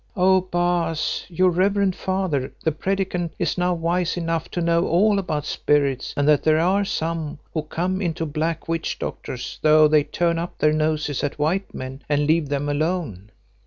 "Oh! Baas, your reverend father, the Predikant, is now wise enough to know all about Spirits and that there are some who come into black witch doctors though they turn up their noses at white men and leave them alone.